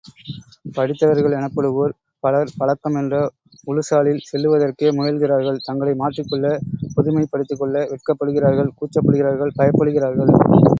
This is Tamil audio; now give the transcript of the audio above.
படித்தவர்கள் எனப்படுவோர் பலர், பழக்கம் என்ற உழுசாலில் செல்லுவதற்கே முயல்கிறார்கள் தங்களை மாற்றிக்கொள்ள புதுமைப்படுத்திக்கொள்ள வெட்கப்படுகிறார்கள் கூச்சப்படுகிறார்கள் பயப்படுகிறார்கள்.